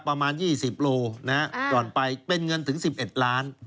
ประมาณ๒๐โลก่อนไปเป็นเงินถึง๑๑ล้าน